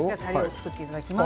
作っていただきます。